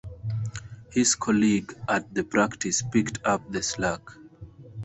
His colleague at the practice picked up the slack.